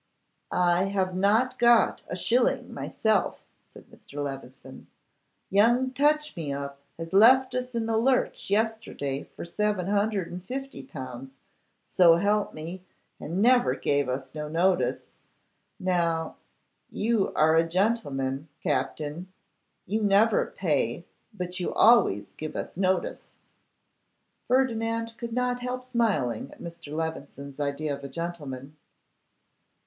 'I have not got a shilling myself,' said Mr. Levison. 'Young Touchemup left us in the lurch yesterday for 750L., so help me, and never gave us no notice. Now, you are a gentleman, Captin; you never pay, but you always give us notice.' Ferdinand could not help smiling at Mr. Levison's idea of a gentleman.